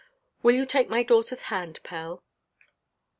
"Will you take my daughterʼs hand, Pell?"